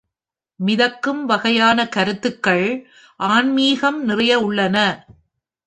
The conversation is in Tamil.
மிதக்கும் வகையான கருத்துக்கள்-ஆன்மீகம் நிறைய உள்ளன.